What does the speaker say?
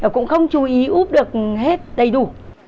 cũng không chú ý úp được hết đầy đủ